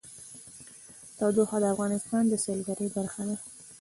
تودوخه د افغانستان د سیلګرۍ برخه ده.